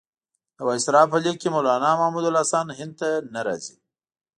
د وایسرا په لیک کې مولنا محمودالحسن هند ته نه راځي.